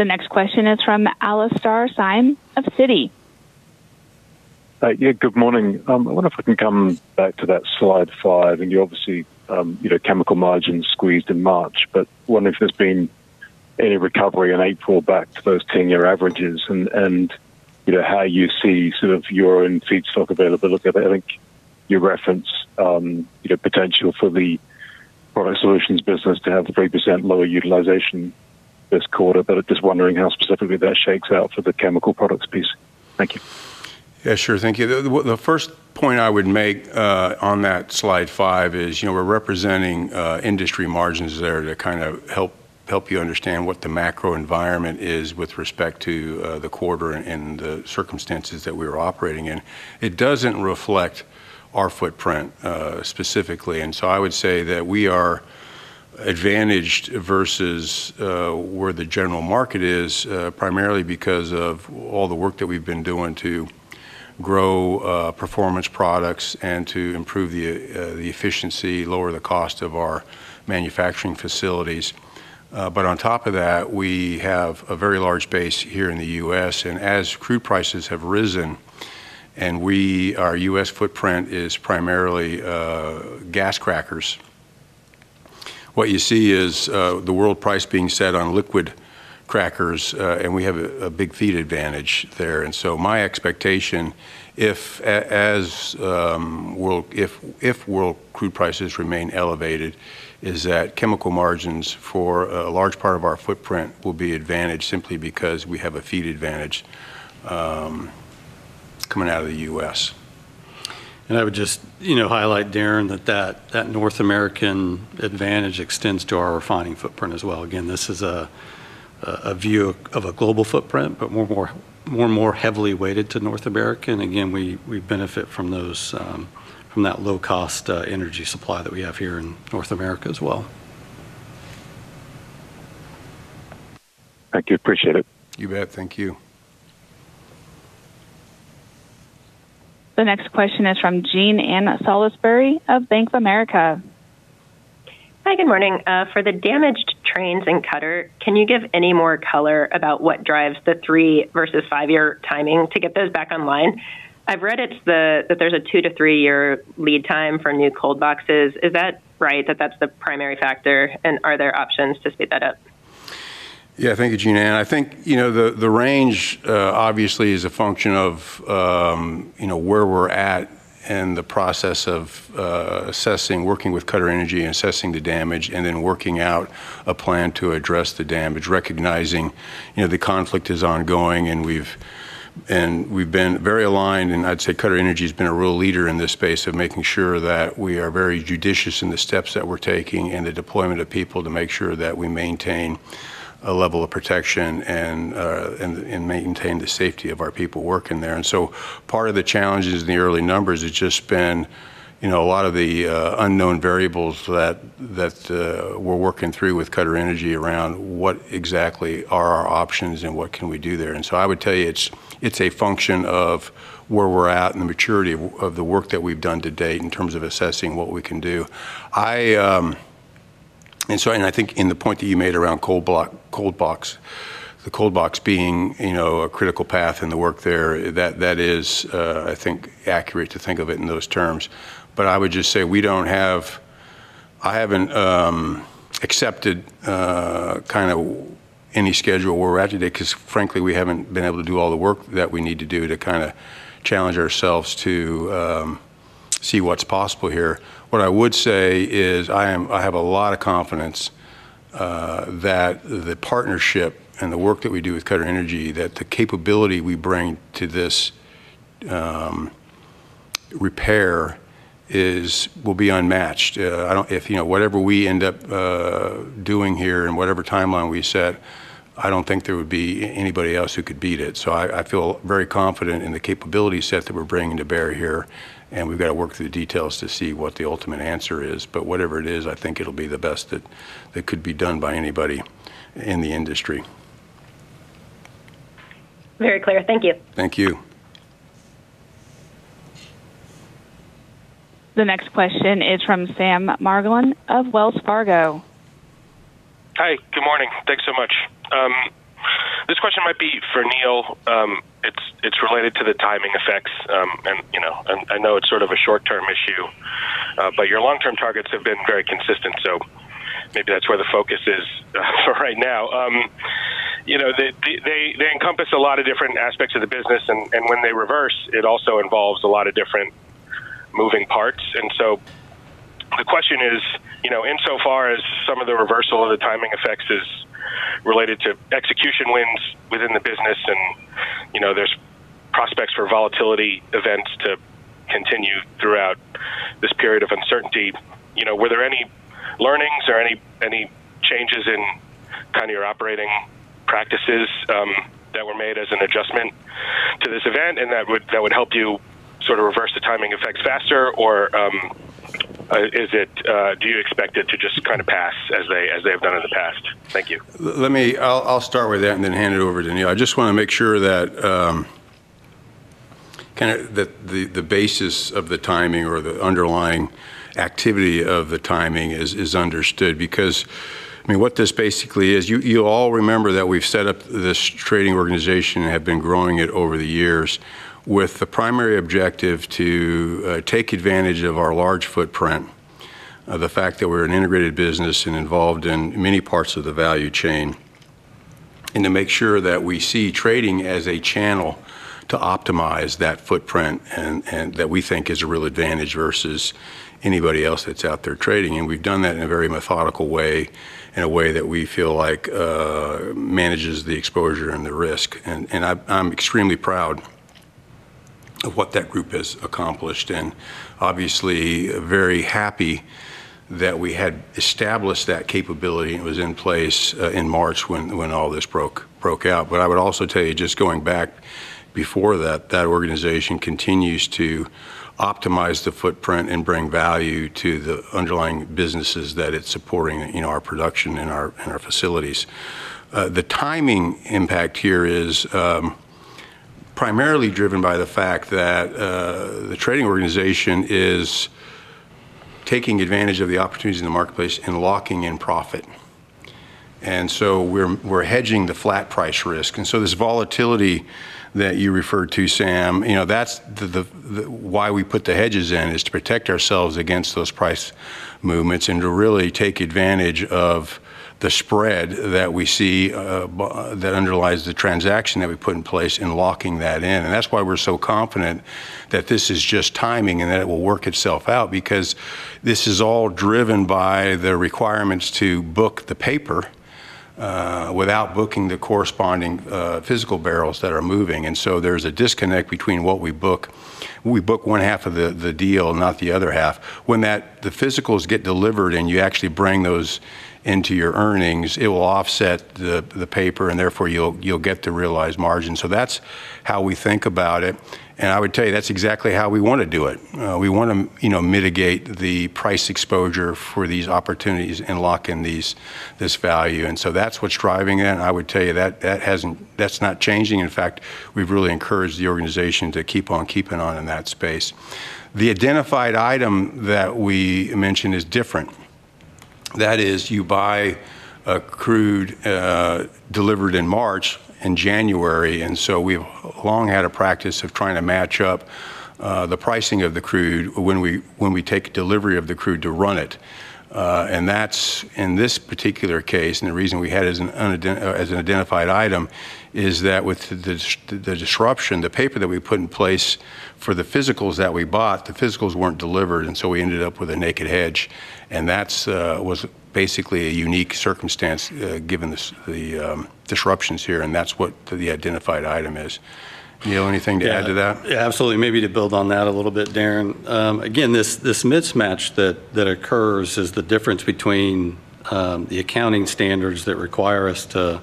S3: The next question is from Alastair Syme of Citi.
S14: Yeah, good morning. I wonder if we can come back to that slide five, and you obviously, you know, chemical margins squeezed in March, but wonder if there's been any recovery in April back to those 10-year averages and, you know, how you see sort of your own feedstock availability. I think you referenced, you know, potential for the Energy Products business to have the 3% lower utilization this quarter, but just wondering how specifically that shakes out for the chemical products piece. Thank you.
S2: Yeah, sure. Thank you. The first point I would make on that slide five is, you know, we're representing industry margins there to kind of help you understand what the macro environment is with respect to the quarter and the circumstances that we were operating in. It doesn't reflect our footprint specifically. I would say that we are advantaged versus where the general market is primarily because of all the work that we've been doing to grow performance products and to improve the efficiency, lower the cost of our manufacturing facilities. On top of that, we have a very large base here in the U.S., and as crude prices have risen, our U.S. footprint is primarily gas crackers. What you see is, the world price being set on liquid crackers, and we have a big feed advantage there. My expectation if world crude prices remain elevated is that chemical margins for a large part of our footprint will be advantaged simply because we have a feed advantage, coming out of the U.S.
S5: I would just, you know, highlight, Darren, that North American advantage extends to our refining footprint as well. Again, this is a view of a global footprint, but more heavily weighted to North America. Again, we benefit from those, from that low-cost energy supply that we have here in North America as well.
S14: Thank you. Appreciate it.
S2: You bet. Thank you.
S3: The next question is from Jean Ann Salisbury of Bank of America.
S15: Hi, good morning. For the damaged trains in Qatar, can you give any more color about what drives the three versus five-year timing to get those back online? I've read that there's a two to three-year lead time for new cold boxes. Is that right that that's the primary factor? Are there options to speed that up?
S2: Yeah, thank you, Jean Ann. I think, you know, the range obviously is a function of, you know, where we're at in the process of assessing, working with QatarEnergy and assessing the damage, and then working out a plan to address the damage, recognizing, you know, the conflict is ongoing, and we've been very aligned, and I'd say QatarEnergy has been a real leader in this space of making sure that we are very judicious in the steps that we're taking and the deployment of people to make sure that we maintain a level of protection and maintain the safety of our people working there. Part of the challenges in the early numbers has just been, you know, a lot of the unknown variables we're working through with QatarEnergy around what exactly are our options and what can we do there. I would tell you it's a function of where we're at and the maturity of the work that we've done to date in terms of assessing what we can do. I think in the point that you made around cold box, the cold box being, you know, a critical path in the work there, that is, I think accurate to think of it in those terms. I would just say I haven't accepted any schedule we're at today because frankly, we haven't been able to do all the work that we need to do to challenge ourselves to see what's possible here. What I would say is I have a lot of confidence that the partnership and the work that we do with QatarEnergy, that the capability we bring to this repair will be unmatched. If, you know, whatever we end up doing here and whatever timeline we set, I don't think there would be anybody else who could beat it. I feel very confident in the capability set that we're bringing to bear here, and we've gotta work through the details to see what the ultimate answer is. Whatever it is, I think it'll be the best that could be done by anybody in the industry.
S15: Very clear. Thank you.
S2: Thank you.
S3: The next question is from Sam Margolin of Wells Fargo.
S16: Hi. Good morning. Thanks so much. This question might be for Neil. It's related to the timing effects, and, you know, and I know it's sort of a short-term issue, but your long-term targets have been very consistent, so maybe that's where the focus is for right now. You know, they encompass a lot of different aspects of the business, and when they reverse, it also involves a lot of different moving parts. The question is, you know, insofar as some of the reversal of the timing effects is related to execution wins within the business and, you know, there's prospects for volatility events to continue throughout this period of uncertainty, you know, were there any learnings or any changes in kind of your operating practices that were made as an adjustment to this event and that would help you sort of reverse the timing effects faster? Or do you expect it to just kinda pass as they have done in the past? Thank you.
S2: I'll start with that and then hand it over to Neil. I just wanna make sure that the basis of the timing or the underlying activity of the timing is understood because I mean, what this basically is, you all remember that we've set up this trading organization and have been growing it over the years with the primary objective to take advantage of our large footprint, the fact that we're an integrated business and involved in many parts of the value chain, and to make sure that we see trading as a channel to optimize that footprint and that we think is a real advantage versus anybody else that's out there trading. We've done that in a very methodical way, in a way that we feel like manages the exposure and the risk. I'm extremely proud of what that group has accomplished, and obviously very happy that we had established that capability and it was in place in March when all this broke out. I would also tell you, just going back before that organization continues to optimize the footprint and bring value to the underlying businesses that it's supporting in our production and our facilities. The timing impact here is primarily driven by the fact that the trading organization is taking advantage of the opportunities in the marketplace and locking in profit. We're hedging the flat price risk. This volatility that you referred to, Sam, you know, that's the why we put the hedges in, is to protect ourselves against those price movements and to really take advantage of the spread that we see, that underlies the transaction that we put in place in locking that in. That's why we're so confident that this is just timing and that it will work itself out because this is all driven by the requirements to book the paper, without booking the corresponding physical barrels that are moving. There's a disconnect between what we book. We book one half of the deal, not the other half. When the physicals get delivered and you actually bring those into your earnings, it will offset the paper, and therefore you'll get the realized margin. That's how we think about it. I would tell you that's exactly how we wanna do it. we wanna, you know, mitigate the price exposure for these opportunities and lock in these, this value. That's what's driving it. I would tell you that's not changing. In fact, we've really encouraged the organization to keep on keeping on in that space. The identified item that we mentioned is different. That is, you buy a crude, delivered in March and January, we've long had a practice of trying to match up, the pricing of the crude when we take delivery of the crude to run it. That's, in this particular case, the reason we had as an identified item, is that with the disruption, the paper that we put in place for the physicals that we bought, the physicals weren't delivered, so we ended up with a naked hedge. That's, was basically a unique circumstance, given this, the disruptions here, that's what the identified item is. Neil, anything to add to that?
S5: Yeah. Yeah, absolutely. Maybe to build on that a little bit, Darren. Again, this mismatch that occurs is the difference between the accounting standards that require us to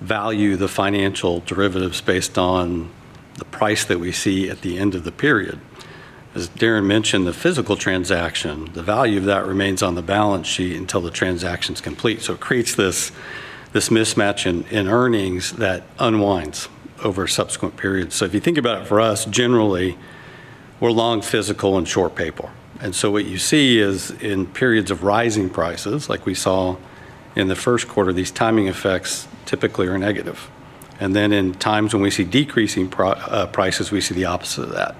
S5: value the financial derivatives based on the price that we see at the end of the period. As Darren mentioned, the physical transaction, the value of that remains on the balance sheet until the transaction's complete. It creates this mismatch in earnings that unwinds over subsequent periods. If you think about it, for us, generally, we're long physical and short paper. What you see is in periods of rising prices, like we saw in the first quarter, these timing effects typically are negative. Then in times when we see decreasing prices, we see the opposite of that,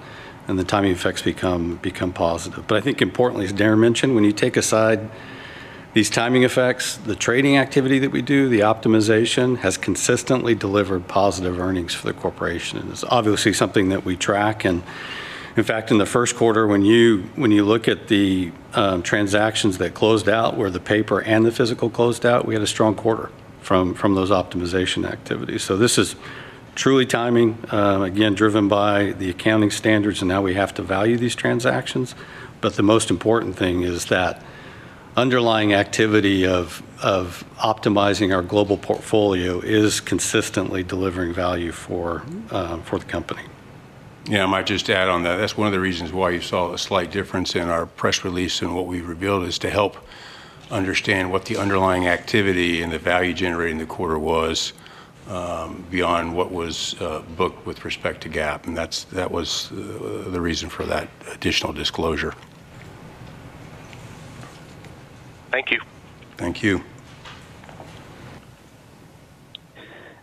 S5: and the timing effects become positive. I think importantly, as Darren mentioned, when you take aside these timing effects, the trading activity that we do, the optimization has consistently delivered positive earnings for the corporation. It's obviously something that we track and, in fact, in the first quarter, when you look at the transactions that closed out, where the paper and the physical closed out, we had a strong quarter from those optimization activities. This is truly timing, again, driven by the accounting standards and how we have to value these transactions. The most important thing is that underlying activity of optimizing our global portfolio is consistently delivering value for the company.
S2: I might just add on that. That's one of the reasons why you saw a slight difference in our press release and what we revealed is to help understand what the underlying activity and the value generated in the quarter was beyond what was booked with respect to GAAP. That was the reason for that additional disclosure.
S16: Thank you.
S2: Thank you.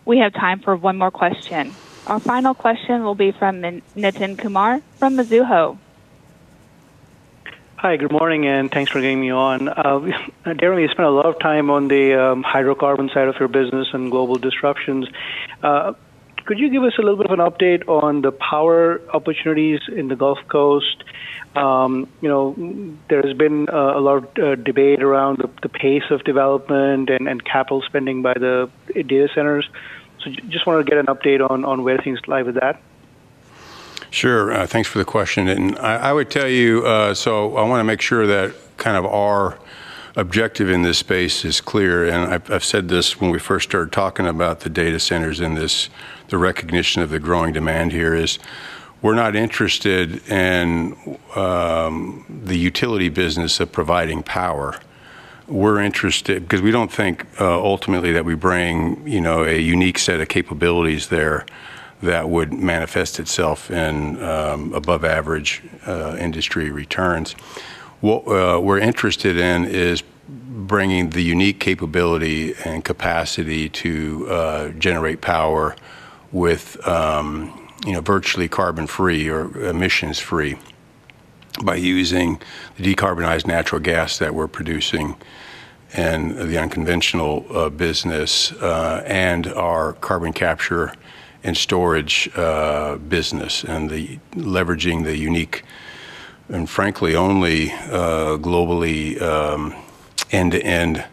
S3: We have time for one more question. Our final question will be from Nitin Kumar from Mizuho.
S17: Hi. Good morning, and thanks for getting me on. Darren, you spent a lot of time on the hydrocarbon side of your business and global disruptions. Could you give us a little bit of an update on the power opportunities in the Gulf Coast? You know, there has been a lot of debate around the pace of development and capital spending by the data centers. Just wanna get an update on where things lie with that.
S2: Sure. Thanks for the question, Nitin. I would tell you, I wanna make sure that kind of our objective in this space is clear, and I've said this when we first started talking about the data centers in this. The recognition of the growing demand here is we're not interested in the utility business of providing power. Because we don't think, ultimately that we bring, you know, a unique set of capabilities there that would manifest itself in above average industry returns. What we're interested in is bringing the unique capability and capacity to generate power with, you know, virtually carbon-free or emissions-free by using the decarbonized natural gas that we're producing and the unconventional business and our carbon capture and storage business and the leveraging the unique and frankly, only globally end-to-end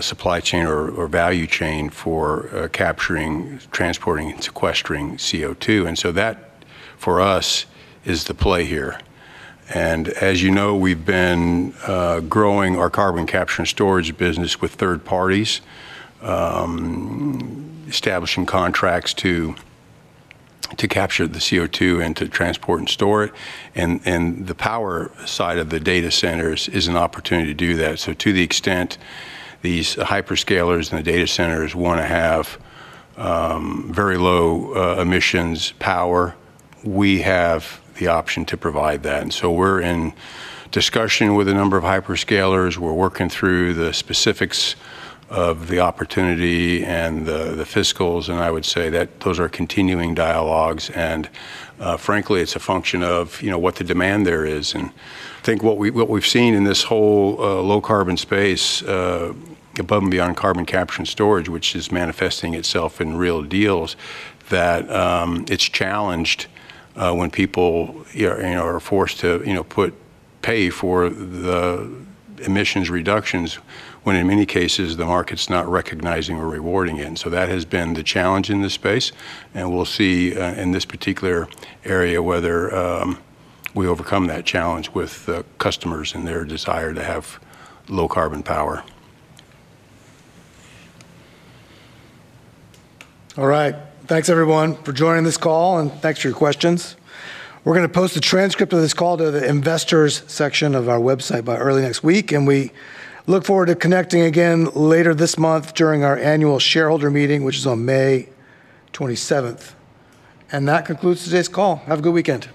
S2: supply chain or value chain for capturing, transporting, and sequestering CO2. That, for us, is the play here. As you know, we've been growing our carbon capture and storage business with third parties, establishing contracts to capture the CO2 and to transport and store it. The power side of the data centers is an opportunity to do that. To the extent these hyperscalers and the data centers wanna have very low emissions power, we have the option to provide that. We're in discussion with a number of hyperscalers. We're working through the specifics of the opportunity and the fiscals, and I would say that those are continuing dialogues. Frankly, it's a function of, you know, what the demand there is. I think what we, what we've seen in this whole low-carbon space, above and beyond carbon capture and storage, which is manifesting itself in real deals, that it's challenged when people, you know, are forced to, you know, pay for the emissions reductions when in many cases the market's not recognizing or rewarding it. That has been the challenge in this space, and we'll see in this particular area whether we overcome that challenge with customers and their desire to have low-carbon power.
S1: All right. Thanks, everyone, for joining this call, and thanks for your questions. We're gonna post a transcript of this call to the investors section of our website by early next week, and we look forward to connecting again later this month during our annual shareholder meeting, which is on May 27th. That concludes today's call. Have a good weekend.